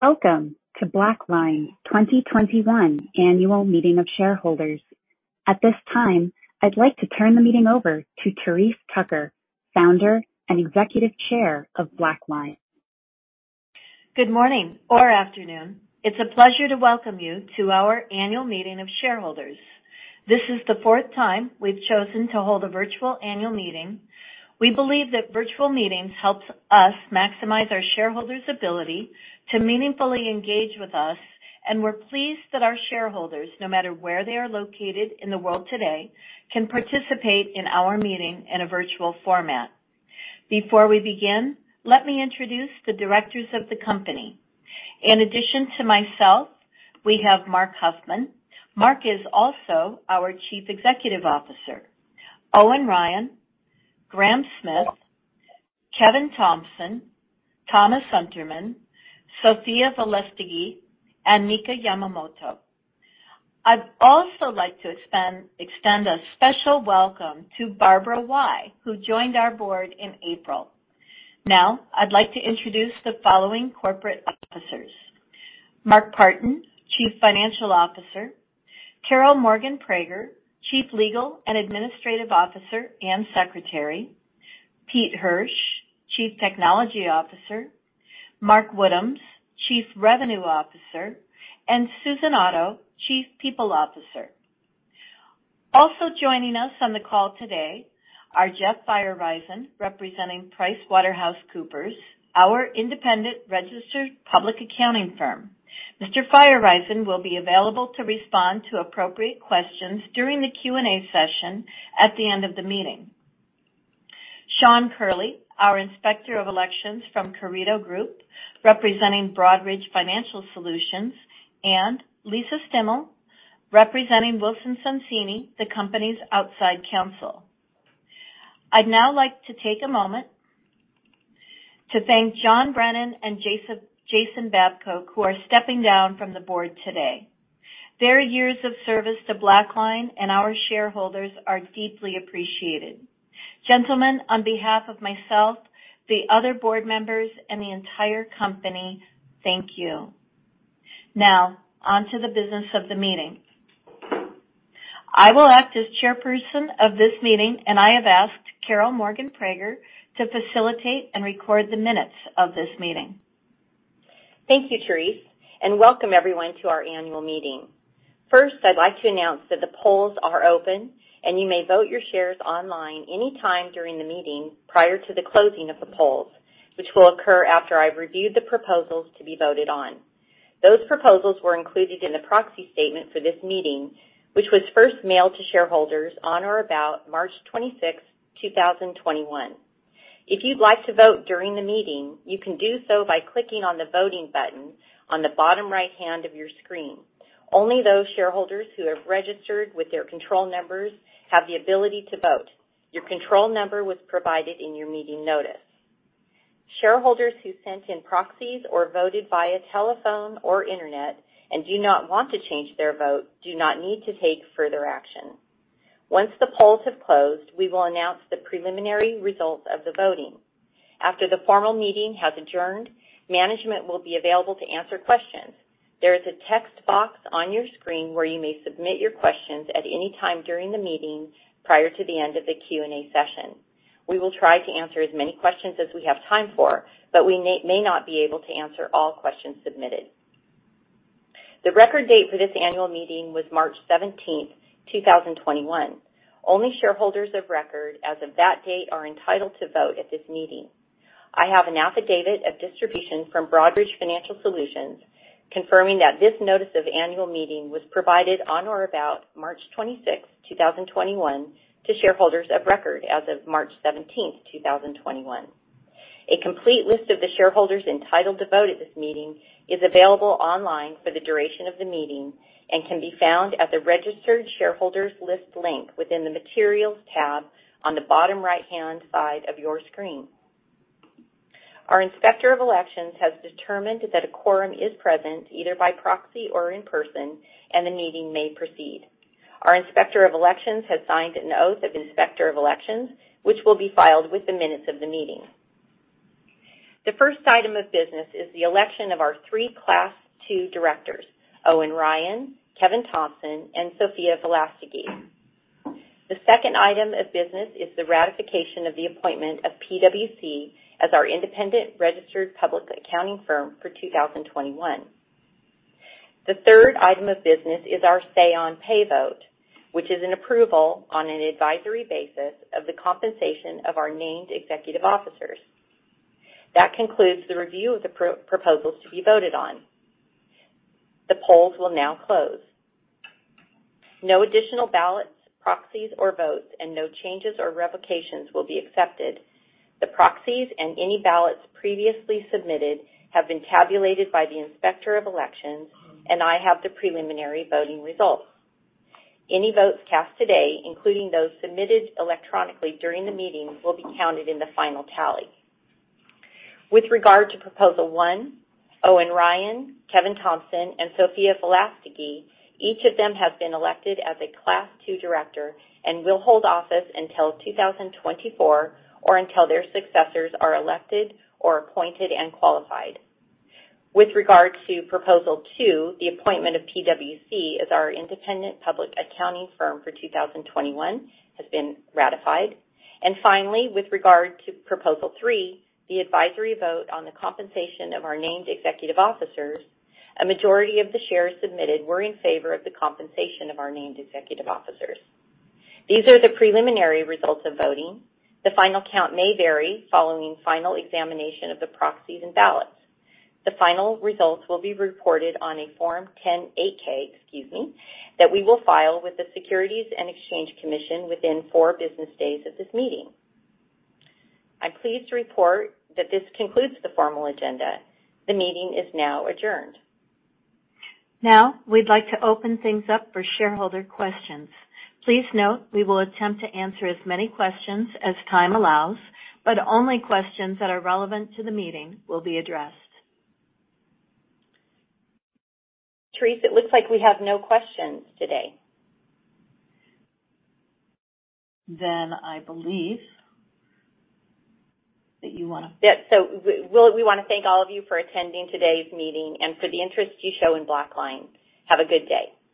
Welcome to BlackLine 2021 annual meeting of shareholders. At this time, I'd like to turn the meeting over to Therese Tucker, Founder and Executive Chair of BlackLine. Good morning or afternoon. It's a pleasure to welcome you to our annual meeting of shareholders. This is the fourth time we've chosen to hold a virtual annual meeting. We believe that virtual meetings helps us maximize our shareholders' ability to meaningfully engage with us, and we're pleased that our shareholders, no matter where they are located in the world today, can participate in our meeting in a virtual format. Before we begin, let me introduce the directors of the company. In addition to myself, we have Marc Huffman. Marc is also our Chief Executive Officer. Owen Ryan, Graham Smith, Kevin Thompson, Thomas Unterman, Sophia Velastegui, and Mika Yamamoto. I'd also like to extend a special welcome to Barbara Whye, who joined our board in April. Now, I'd like to introduce the following corporate officers. Mark Partin, Chief Financial Officer, Karole Morgan-Prager, Chief Legal and Administrative Officer and Secretary, Peter Hirsch, Chief Technology Officer, Mark Woodhams, Chief Revenue Officer, and Susan Otto, Chief People Officer. Also joining us on the call today are Jeff Firestone, representing PricewaterhouseCoopers, our independent registered public accounting firm. Mr. Firestone will be available to respond to appropriate questions during the Q&A session at the end of the meeting. Sean Curley, our Inspector of Elections from The Carideo Group, representing Broadridge Financial Solutions, and Lisa Stimmell, representing Wilson Sonsini, the company's outside counsel. I'd now like to take a moment to thank John Brennan and Jason Babcoke, who are stepping down from the board today. Their years of service to BlackLine and our shareholders are deeply appreciated. Gentlemen, on behalf of myself, the other board members, and the entire company, thank you. Now, onto the business of the meeting. I will act as chairperson of this meeting, and I have asked Karole Morgan-Prager to facilitate and record the minutes of this meeting. Thank you, Therese, and welcome everyone to our annual meeting. First, I'd like to announce that the polls are open, and you may vote your shares online anytime during the meeting prior to the closing of the polls, which will occur after I've reviewed the proposals to be voted on. Those proposals were included in the proxy statement for this meeting, which was first mailed to shareholders on or about March 26th, 2021. If you'd like to vote during the meeting, you can do so by clicking on the voting button on the bottom right hand of your screen. Only those shareholders who have registered with their control numbers have the ability to vote. Your control number was provided in your meeting notice. Shareholders who sent in proxies or voted via telephone or internet and do not want to change their vote do not need to take further action. Once the polls have closed, we will announce the preliminary results of the voting. After the formal meeting has adjourned, management will be available to answer questions. There is a text box on your screen where you may submit your questions at any time during the meeting prior to the end of the Q&A session. We will try to answer as many questions as we have time for, but we may not be able to answer all questions submitted. The record date for this annual meeting was March 17th, 2021. Only shareholders of record as of that date are entitled to vote at this meeting. I have an affidavit of distribution from Broadridge Financial Solutions confirming that this notice of annual meeting was provided on or about March 26th, 2021 to shareholders of record as of March 17th, 2021. A complete list of the shareholders entitled to vote at this meeting is available online for the duration of the meeting and can be found at the Registered Shareholders List link within the Materials tab on the bottom right-hand side of your screen. Our inspector of elections has determined that a quorum is present either by proxy or in person, and the meeting may proceed. Our inspector of elections has signed an oath of inspector of elections, which will be filed with the minutes of the meeting. The first item of business is the election of our three class two directors, Owen Ryan, Kevin Thompson, and Sophia Velastegui. The second item of business is the ratification of the appointment of PwC as our independent registered public accounting firm for 2021. The third item of business is our say on pay vote, which is an approval on an advisory basis of the compensation of our named executive officers. That concludes the review of the proposals to be voted on. The polls will now close. No additional ballots, proxies, or votes, and no changes or revocations will be accepted. The proxies and any ballots previously submitted have been tabulated by the inspector of elections, and I have the preliminary voting results. Any votes cast today, including those submitted electronically during the meeting, will be counted in the final tally. With regard to proposal one, Owen Ryan, Kevin Thompson, and Sophia Velastegui, each of them have been elected as a class two director and will hold office until 2024 or until their successors are elected or appointed and qualified. With regard to proposal two, the appointment of PwC as our independent public accounting firm for 2021 has been ratified. Finally, with regard to proposal three, the advisory vote on the compensation of our named executive officers, a majority of the shares submitted were in favor of the compensation of our named executive officers. These are the preliminary results of voting. The final count may vary following final examination of the proxies and ballots. The final results will be reported on a Form 8-K that we will file with the Securities and Exchange Commission within four business days of this meeting. I'm pleased to report that this concludes the formal agenda. The meeting is now adjourned. We'd like to open things up for shareholder questions. Please note we will attempt to answer as many questions as time allows, but only questions that are relevant to the meeting will be addressed. Therese, it looks like we have no questions today. I believe that you want to. Yeah, we want to thank all of you for attending today's meeting and for the interest you show in BlackLine. Have a good day.